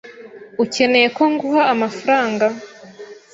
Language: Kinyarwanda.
Ukeneye ko nguha amafaranga?